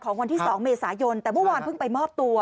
วันที่๒เมษายนแต่เมื่อวานเพิ่งไปมอบตัว